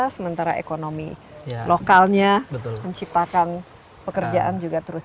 sementara ekonomi lokalnya menciptakan pekerjaan juga terus